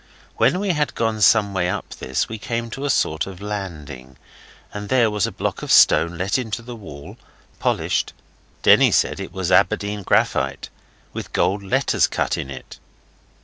When we had gone some way up this, we came to a sort of landing, and there was a block of stone let into the wall polished Denny said it was Aberdeen graphite, with gold letters cut in it.